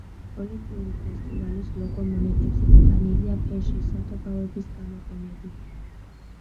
ოლიმპიური ფესტივალის ლოგო მონეტებზე დატანილია ფერში, საღებავების გამოყენებით.